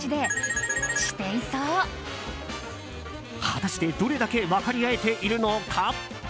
果たしてどれだけ分かり合えているのか。